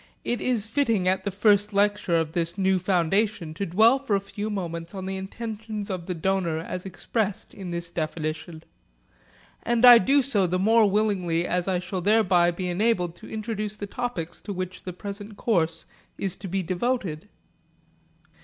It is fitting at the first lecture of this new foundation to dwell for a few moments on the intentions of the donor as expressed in this definition; and I do so the more willingly as I shall thereby be enabled to introduce the topics to which the present course is to be devoted.